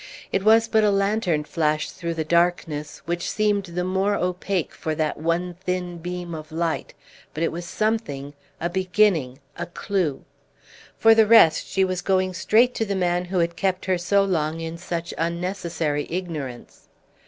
It was but a lantern flash through the darkness, which seemed the more opaque for that one thin beam of light; but it was something, a beginning, a clew. For the rest she was going straight to the man who had kept her so long in such unnecessary ignorance.